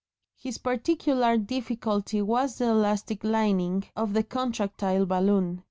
His particular difficulty was the elastic lining of the contractile balloon.